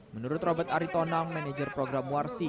menurut robert aritonang manajer program warsi